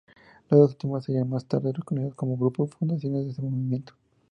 Las dos últimas serían más tarde reconocidas como grupos fundacionales de ese movimiento.